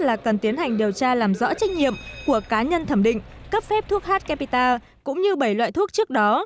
là cần tiến hành điều tra làm rõ trách nhiệm của cá nhân thẩm định cấp phép thuốc h capita cũng như bảy loại thuốc trước đó